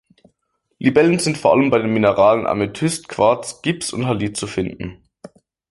Libellen sind vor allem bei den Mineralen Amethyst, Quarz, Gips und Halit zu finden.